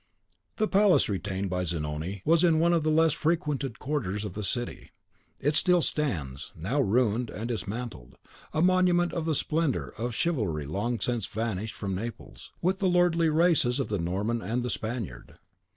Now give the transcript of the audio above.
The palace retained by Zanoni was in one of the less frequented quarters of the city. It still stands, now ruined and dismantled, a monument of the splendour of a chivalry long since vanished from Naples, with the lordly races of the Norman and the Spaniard.